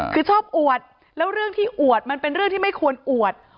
คือชอบอวดแล้วเรื่องที่อวดมันเป็นเรื่องที่ไม่ควรอวด